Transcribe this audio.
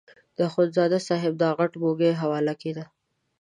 د اخندزاده صاحب دا غټ موږی حواله کېده.